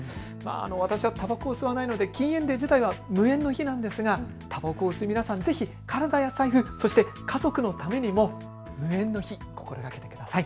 私はたばこを吸わないので禁煙デー自体は無縁の日なんですがたばこを吸う皆さん、ぜひ体や財布、そして家族のためにも無煙の日心がけてください。